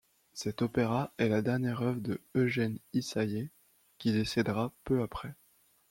Cet opéra est la dernière œuvre de Eugène Ysaÿe qui décédera peu après.